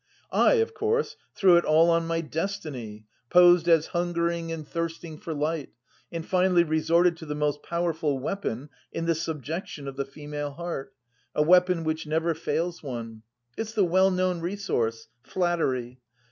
I, of course, threw it all on my destiny, posed as hungering and thirsting for light, and finally resorted to the most powerful weapon in the subjection of the female heart, a weapon which never fails one. It's the well known resource flattery.